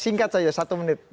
singkat saja satu menit